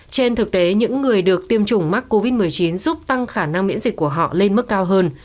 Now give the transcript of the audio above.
trên thực tế những người được tiêm chủng mắc covid một mươi chín giúp tăng khả năng miễn dịch của họ lên mức cao hơn